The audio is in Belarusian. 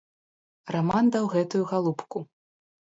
Раман даў гэтую галубку.